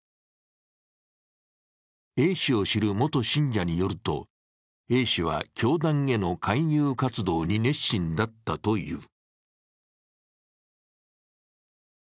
Ａ氏を知る元信者によると、Ａ氏は教団への勧誘活動に熱心だったという。